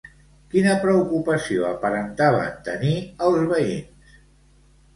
Quina preocupació aparentaven tenir els veïns?